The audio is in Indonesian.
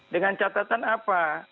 dengan catatan apa